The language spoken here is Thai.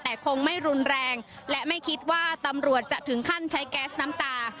แต่คงไม่รุนแรงและไม่คิดว่าตำรวจจะถึงขั้นใช้แก๊สน้ำตา